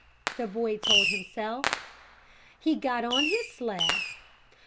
the boy told himself. He got on his sled.